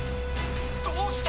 どうして！？